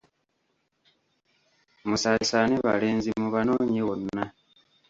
Musaasaane balenzi mubanoonye wonna.